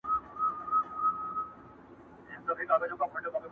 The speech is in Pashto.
زه او ته یو په قانون له یوه کوره.!